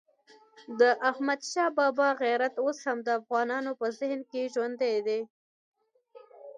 د احمدشاه بابا غیرت اوس هم د افغانانو په ذهن کې ژوندی دی.